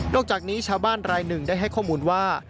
จากนี้ชาวบ้านรายหนึ่งได้ให้ข้อมูลว่า